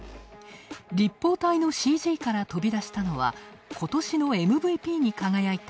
立方体のＣＧから飛び出したのはことしのＭＶＰに輝いた